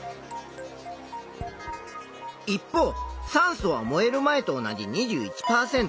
一方酸素は燃える前と同じ２１％。